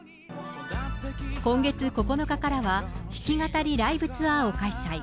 今月９日からは、弾き語りライブツアーを開催。